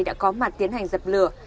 đã có mặt tiến hành dập lửa